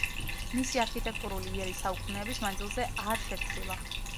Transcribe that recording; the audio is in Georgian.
მისი არქიტექტურული იერი საუკუნეების მანძილზე არ შეცვლილა.